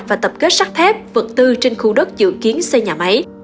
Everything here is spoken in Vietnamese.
và tập kết sắt thép vật tư trên khu đất dự kiến xây nhà máy